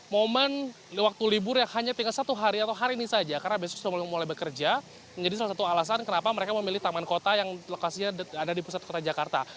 momen waktu libur yang hanya tinggal satu hari atau hari ini saja karena besok sudah mulai bekerja menjadi salah satu alasan kenapa mereka memilih taman kota yang lokasinya ada di pusat kota jakarta